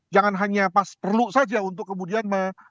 jangan hanya pas perlu saja untuk kemudian